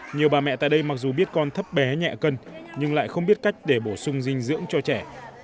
nhiều bà mẹ tại đây mặc dù biết con thấp bé nhẹ cân nhưng lại không biết con thấp bé nhẹ cân